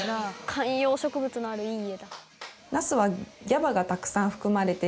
観葉植物のあるいい家だ。